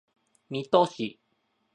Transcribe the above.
水戸市